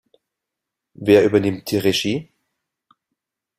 Wer übernimmt die Regie?